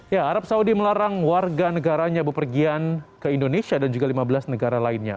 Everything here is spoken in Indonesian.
ya arab saudi melarang warga negaranya berpergian ke indonesia dan juga lima belas negara lainnya